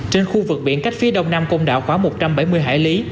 trên khu vực biển cách phía đông nam công đảo khoảng một trăm bảy mươi hải lý